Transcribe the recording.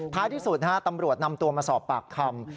ท้ายที่สุดตำรวจนำตัวมาสอบปากคำ